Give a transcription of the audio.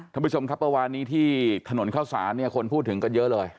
ท่านผู้ชมครับประวัตินี้ที่ถนนข้าวสารคนพูดถึงกันเยอะเลย